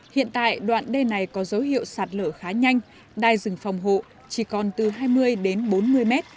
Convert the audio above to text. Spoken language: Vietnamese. hiện tại đoạn đê này có dấu hiệu sạt lở khá nhanh đai rừng phòng hộ chỉ còn từ hai mươi đến bốn mươi mét